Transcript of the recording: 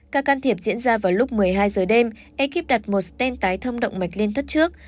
ca can thiệp diễn ra vào lúc một mươi hai giờ đêm ekip đặt một stent tái thông động mạch lên thất trước